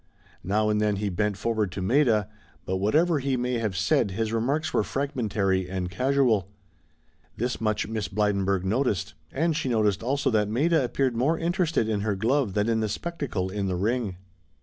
Now and then he bent forward to Maida, but whatever he may have said his remarks were fragmentary and casual. This much Miss Blydenburg noticed, and she noticed also that Maida appeared more interested in her glove than in the spectacle in the ring.